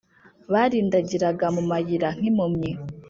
Barindagiraga mu mayira, nk’impumyi;